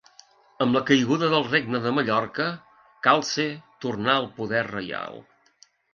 Amb la caiguda del Regne de Mallorca, Calce tornà al poder reial.